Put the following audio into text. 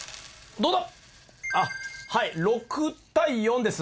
どうだ？